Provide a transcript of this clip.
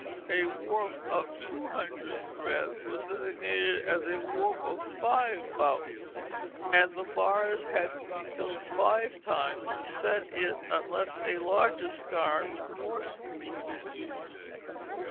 A warp of two hundred threads was designated as a warp of five bouts, and the bars had to be filled five times to set it unless a larger skarne with more spools was used.